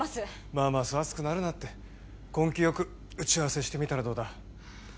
まあまあそう熱くなるなって根気よく打ち合わせしてみたらどうだ？